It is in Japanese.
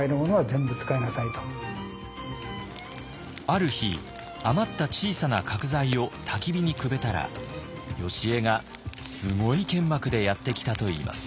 ある日余った小さな角材をたき火にくべたらよしえがすごい剣幕でやって来たといいます。